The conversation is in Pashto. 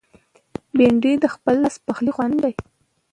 بېنډۍ د خپل لاس پخلي خوند دی